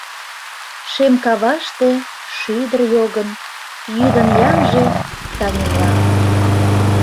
Шем каваште — шӱдыр йогын: йӱдын ямже — таҥемлан.